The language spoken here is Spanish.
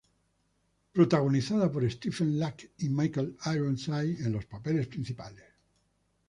Protagonizada por Stephen Lack y Michael Ironside en los papeles principales.